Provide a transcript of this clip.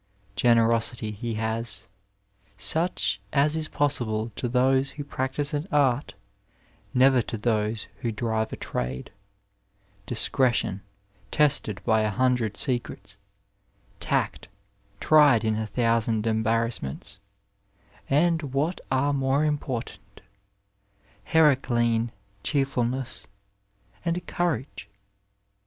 Generosity he has, such as is possible to those who practise an art, never to those who drive a trade ; discretion, tested by a hundred secrets ; tact, tried in a thousand embarrassments ; and what are more important, Heraclean cheerfulness and courage.